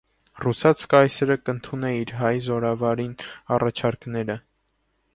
Ռուսաց կայսրը կ՛ընդունէ իր հայ զօրավարին առաջարկները։